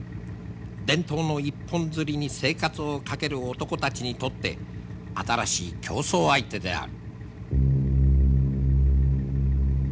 伝統の一本づりに生活を懸ける男たちにとって新しい競争相手である。